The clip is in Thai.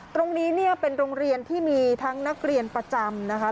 ตรงนี้เป็นโรงเรียนที่มีทั้งนักเรียนประจำ